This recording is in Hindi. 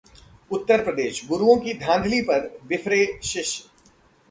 उत्तर प्रदेश: गुरुओं की 'धांधली' पर बिफरे शिष्य